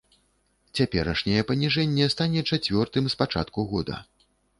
Цяперашняе паніжэнне стане чацвёртым з пачатку года.